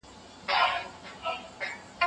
که تاسو نیم ساعت لامبو ووهئ، ګټه یې ډېره ده.